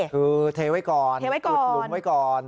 คือเทไว้ก่อนอุดหลุมไว้ก่อน